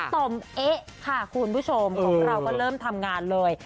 ต่อมเอ๊ะค่ะคุณผู้ชมของเราก็เริ่มทำงานเลย